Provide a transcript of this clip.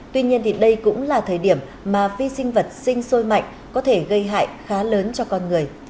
tuy nhiên đây cũng là thời điểm mà vi sinh vật sinh sôi mạnh có thể gây hại khá lớn cho con người